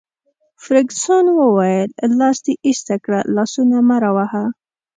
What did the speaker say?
فرګوسن وویل: لاس دي ایسته کړه، لاسونه مه راوهه.